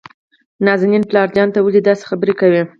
نازنين: پلار جانه ته ولې داسې خبرې کوي؟